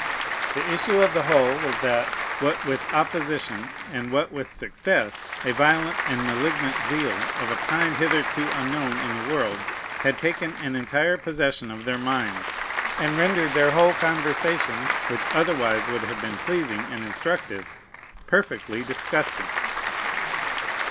The issue of the whole was, that, what with opposition, and what with success, a violent and malignant zeal, of a kind hitherto unknown in the world, had taken an entire possession of their minds, and rendered their whole conversation, which otherwise would have been pleasing and instructive, perfectly disgusting.